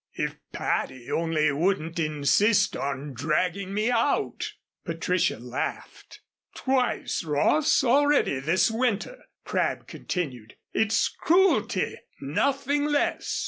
If Patty only wouldn't insist on dragging me out " Patricia laughed. "Twice, Ross, already this winter," Crabb continued. "It's cruelty, nothing less."